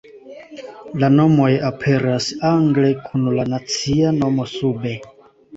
La nomoj aperas angle kun la nacia nomo sube.